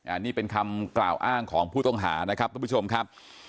อันนี้เป็นคำกล่าวอ้างของผู้ต้องหานะครับทุกผู้ชมครับ